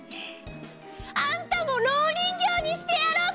あんたもろうにんぎょうにしてやろうか！